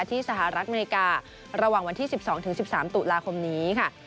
สหรัฐอเมริการะหว่างวันที่๑๒๑๓ตุลาคมนี้ค่ะ